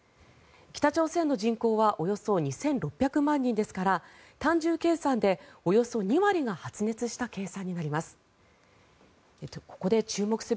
北朝鮮の人口はおよそ２６００万人ですから単純計算でおよそ２割が発熱した計算になります。